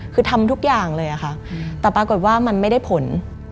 คือทำทุกอย่างเลยค่ะแต่ปรากฏว่ามันไม่ได้ผล